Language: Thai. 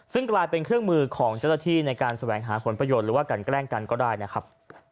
ซึ่งกลายเป็นเครื่องมือของเจ้าหน้าที่ในการแสวงหาผลประโยชน์หรือว่ากันแกล้งกันก็ได้นะครับ